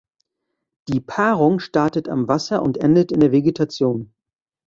Die Paarung startet am Wasser und endet in der Vegetation.